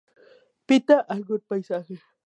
Pinta algún paisaje.